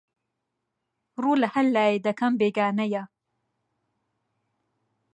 ڕوو لەهەر لایێ دەکەم بێگانەیە